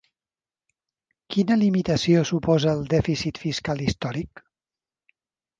Quina limitació suposa el dèficit fiscal històric?